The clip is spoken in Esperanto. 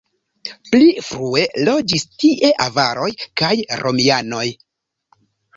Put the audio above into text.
Pli frue loĝis tie avaroj kaj romianoj.